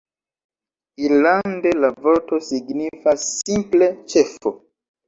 Irlande la vorto signifas simple "ĉefo".